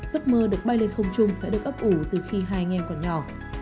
giấc mơ được bay lên không trung sẽ được ấp ủ từ khi hai anh em còn nhỏ